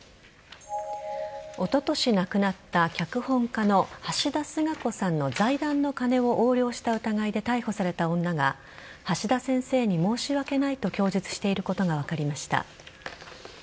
おととし亡くなった脚本家の橋田壽賀子さんの財団の金を横領した疑いで逮捕された女が橋田先生に申し訳ないと供述していることが分かりました。